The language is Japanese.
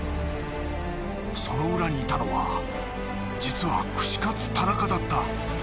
その裏にいたのは実は串カツ田中だった。